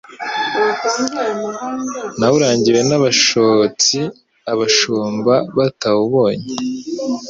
Nawurangiwe n' abashotsiAbashumba batawubonye